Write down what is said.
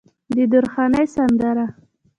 د درخانۍ سندره